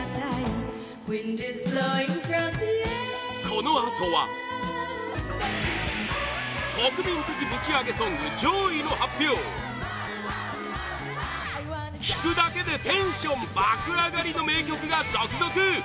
このあとは国民的ぶちアゲソング上位の発表聴くだけで、テンション爆上がりの名曲が続々！